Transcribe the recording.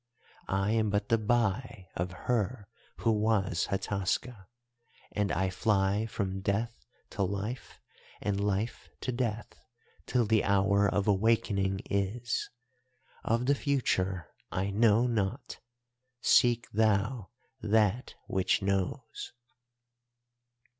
I am but the Bai of her who was Hataska, and I fly from Death to Life and Life to Death, till the hour of awakening is. Of the future I know naught; seek thou that which knows.